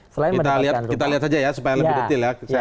kita lihat kita lihat saja ya supaya lebih detil ya